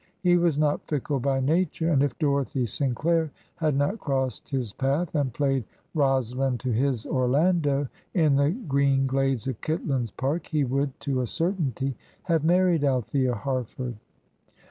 He was not fickle by nature, and if Dorothy Sinclair had not crossed his path, and played Rosalind to his Orlando, in the green glades of Kitlands Park, he would to a certainty have married Althea Harford.